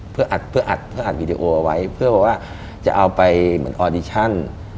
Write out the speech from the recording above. เพื่ออัดวิดีโอเอาไว้เพื่อว่าจะเอาไปเหมือนออดิชั่น